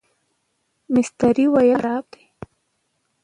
مستري وویل خراب دی.